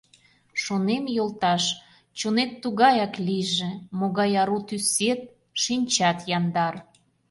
Шонем, йолташ: чонет тугаяк лийже, Могай ару тӱсет, шинчат яндар.